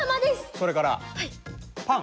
それからパン。